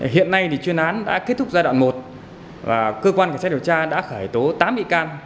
hiện nay chuyên án đã kết thúc giai đoạn một và cơ quan cảnh sát điều tra đã khởi tố tám bị can